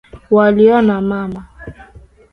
Waliona mama.